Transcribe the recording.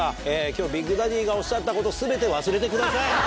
今日ビッグダディがおっしゃったこと全て忘れてください。